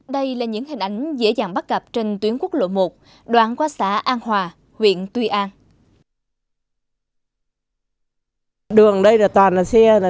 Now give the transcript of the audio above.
đây là những hình ảnh dễ dàng bắt gặp trên tuyến quốc lộ một đoạn qua xã an hòa huyện tuy an